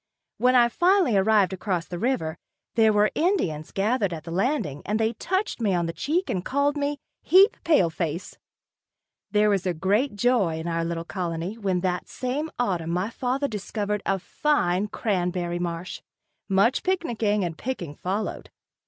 When I finally arrived across the river, there were Indians gathered at the landing and they touched me on the cheek and called me "heap pale face." There was great joy in our little colony when that same autumn my father discovered a fine cranberry marsh. Much picnicking and picking followed.